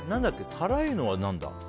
辛いのは何だ？